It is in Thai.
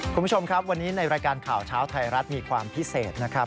คุณผู้ชมครับวันนี้ในรายการข่าวเช้าไทยรัฐมีความพิเศษนะครับ